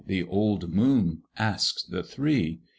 The old moon asked the three.